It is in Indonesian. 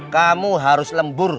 kamu harus lembur